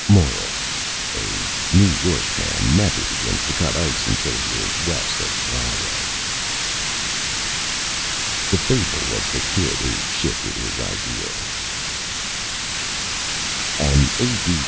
MORAL: A New York Man never begins to Cut Ice until he is west of Rahway. THE FABLE OF THE KID WHO SHIFTED HIS IDEAL An A.